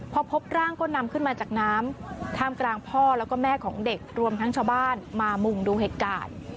พอพบร่างก็นำขึ้นมาจากน้ำท่ามกลางพ่อแล้วก็แม่ของเด็กรวมทั้งชาวบ้านมามุ่งดูเหตุการณ์